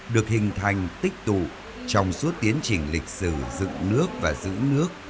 được hình thành tích tụ trong suốt tiến trình lịch sử dựng nước và giữ nước